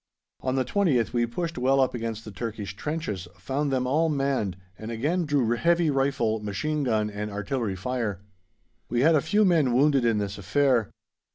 On the 20th we pushed well up against the Turkish trenches, found them all manned, and again drew heavy rifle, machine gun and artillery fire. We had a few men wounded in this affair.